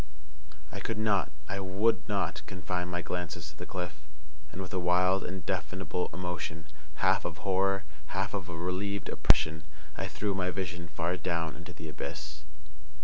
I could not, I would not, confine my glances to the cliff; and, with a wild, indefinable emotion, half of horror, half of a relieved oppression, I threw my vision far down into the abyss.